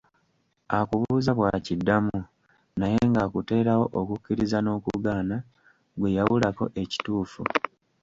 Akubuuza bw'akiddamu, naye ng'akuterawo okukkiriza n'okugaana, ggwe yawulako ekituufu.